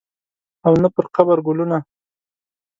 او نه پرقبر ګلونه